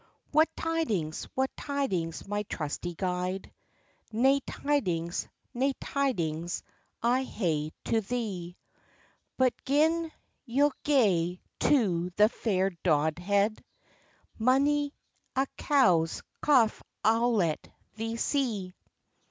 "What tidings, what tidings, my trusty guide?" "Nae tidings, nae tidings, I hae to thee; But, gin ye'll gae to the fair Dodhead, Mony a cow's cauf I'll let thee see."